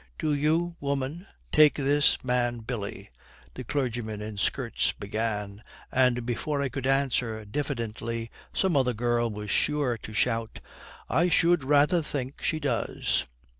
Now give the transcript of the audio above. "Do you, woman, take this man Billy " the clergyman in skirts began, and before I could answer diffidently, some other girl was sure to shout, "I should rather think she does."'